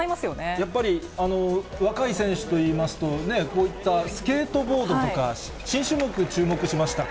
やっぱり、若い選手といいますと、こういったスケートボードとか、新種目、注目しましたか？